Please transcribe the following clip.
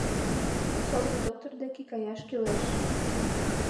Содор доктор деке каяш кӱлеш.